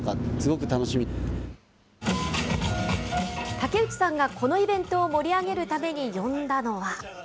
竹内さんがこのイベントを盛り上げるために呼んだのは。